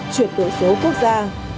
truyền tuệ số quốc gia